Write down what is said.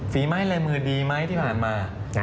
ฝีไม้ลายมือดีไหมที่ผ่านมา